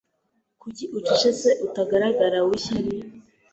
Kuki ucecetse utagaragara wishyari